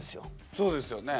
そうですよね。